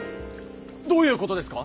どういうことですか？